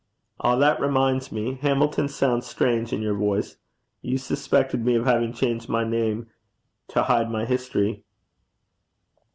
'Ah, that reminds me. Hamilton sounds strange in your voice. You suspected me of having changed my name to hide my history?'